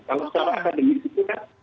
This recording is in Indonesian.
kalau secara akademis itu kan